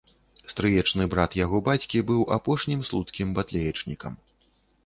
Стрыечны брат яго бацькі быў апошнім слуцкім батлеечнікам.